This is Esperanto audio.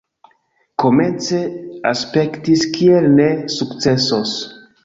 Komence aspektis kiel ne sukcesos